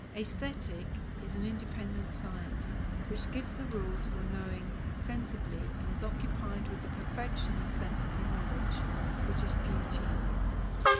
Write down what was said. Aesthetic is an independent science, which gives the rules for knowing sensibly, and is occupied with the perfection of sensible knowledge, which is beauty.